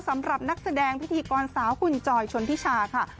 สำหรับนักแสดงพิธีกรสาวคุณจอยชนทิชาค่ะ